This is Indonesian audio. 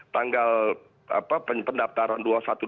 tanggal pendaptaran dua puluh satu dua puluh tiga